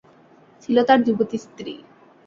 ছিল তার যুবতী স্ত্রী।